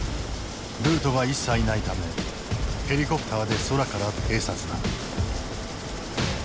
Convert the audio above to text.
ルートが一切ないためヘリコプターで空から偵察だ。